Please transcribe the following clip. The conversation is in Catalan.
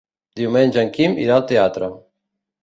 Diumenge en Quim irà al teatre.